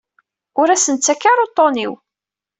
Ur asen-ttakk ara uṭṭun-iw.